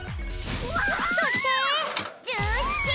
そして１７！